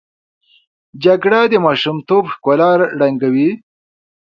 جګړه د ماشومتوب ښکلا ړنګوي